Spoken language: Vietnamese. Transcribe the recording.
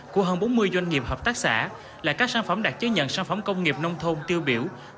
của hơn bốn mươi doanh nghiệp hợp tác xã là các sản phẩm đặc chế nhận sản phẩm công nghiệp nông thôn tiêu biểu